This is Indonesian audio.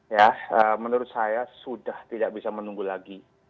ya menurut saya sudah tidak bisa menunggu lagi